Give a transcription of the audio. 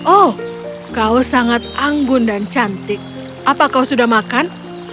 oh kau sangat anggun dan cantik apa kau sudah makan